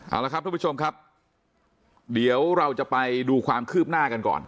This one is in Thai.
เอาละครับทุกผู้ชมครับเดี๋ยวเราจะไปดูความคืบหน้ากันก่อน